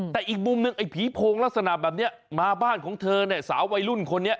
แต่อีกมุมหนึ่งไอ้ผีโพงลักษณะแบบนี้มาบ้านของเธอเนี่ยสาววัยรุ่นคนนี้